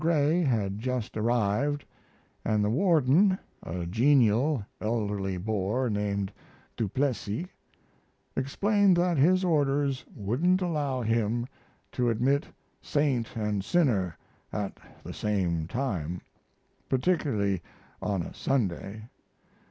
Gray had just arrived, & the warden, a genial, elderly Boer named Du Plessis, explained that his orders wouldn't allow him to admit saint & sinner at the same time, particularly on a Sunday.